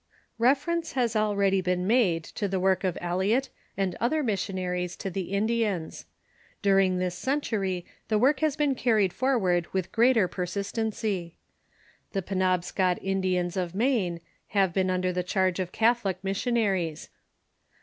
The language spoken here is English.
Reference has already been made to the work of Eliot and other missionaries to the Indians. During this century the MISSIONS 609 work has been carried forward with greater persistency. The Penobscot Indians in Maine have been under the charge of jh5 Catholic missionaries.